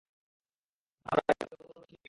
আমরা কি অবতরণ করছি?